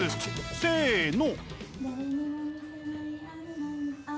せの。